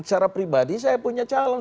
secara pribadi saya punya calon